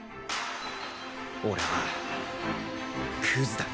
俺はクズだ。